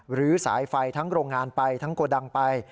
หรือสายไฟทั้งโรงงานไปทั้งโกดังไป